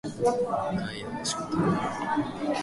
北海道色丹村